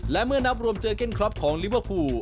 และเมื่อนับรวมเจอเก้นคล็อปของลิเวอร์ฟูล